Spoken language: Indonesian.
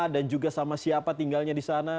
dan juga sama siapa tinggalnya di sana